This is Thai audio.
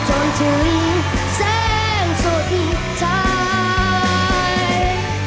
จนถึงเสียงสุดที่ไทย